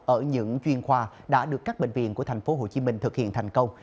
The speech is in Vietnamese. ở những chuyên khoa đã được các bệnh viện của tp hcm thực hiện thành công